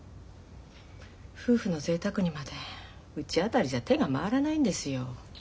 夫婦のぜいたくにまでうちあたりじゃ手が回らないんですよ。